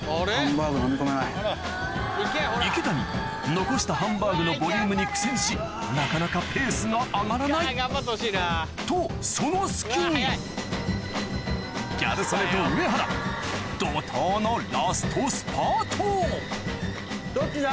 池谷残したハンバーグのボリュームに苦戦しなかなかとその隙にギャル曽根と上原どっちだ？